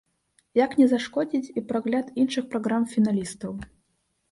Як не зашкодзіць і прагляд іншых праграм-фіналістаў.